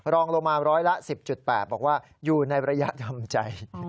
รองลงมาร้อยละ๑๐๘บอกว่าอยู่ในระยะทำใจ